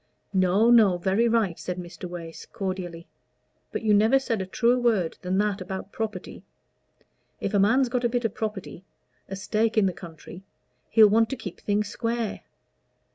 "No, no very right," said Mr. Wace, cordially. "But you never said a truer word than that about property. If a man's got a bit of property, a stake in the country, he'll want to keep things square.